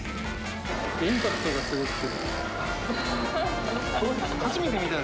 インパクトがすごくて。